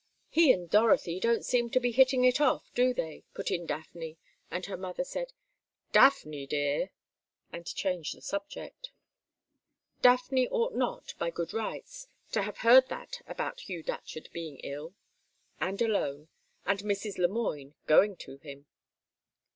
"He and Dorothy don't seem to be hitting it off, do they," put in Daphne, and her mother said, "Daphne, dear," and changed the subject. Daphne ought not, by good rights, to have heard that about Hugh Datcherd being ill and alone, and Mrs. Le Moine going to him.